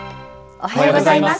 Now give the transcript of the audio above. おはようございます。